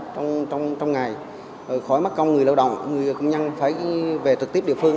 công trong ngày rồi khỏi merk công người lao động người công nhân phải về trực tiếp địa phương